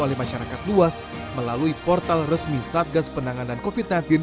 oleh masyarakat luas melalui portal resmi satgas penanganan covid sembilan belas